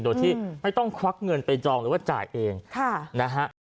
โดยที่ไม่ต้องควักเงินไปจองหรือว่าจ่ายเองนะฮะ